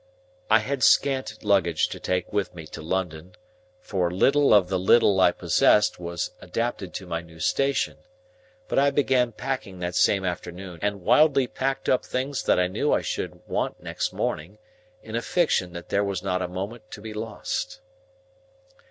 I had scant luggage to take with me to London, for little of the little I possessed was adapted to my new station. But I began packing that same afternoon, and wildly packed up things that I knew I should want next morning, in a fiction that there was not a moment to be lost.